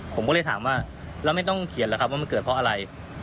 ผมก็เลยถามว่าแล้วไม่ต้องเขียนแล้วครับว่ามันเกิดเพราะอะไร